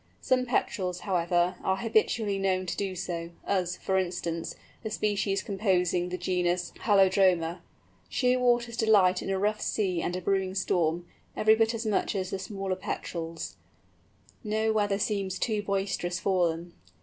Some Petrels, however, are habitually known to do so, as, for instance, the species composing the genus Halodroma. Shearwaters delight in a rough sea and a brewing storm, every bit as much as the smaller Petrels; no weather seems too boisterous for them.